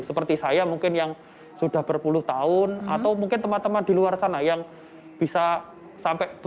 seperti saya mungkin yang sudah berpuluh tahun atau mungkin teman teman di luar sana yang bisa sampai lima puluh tahun dua puluh lima tahun tiga puluh tahun yang sampai sekarang pun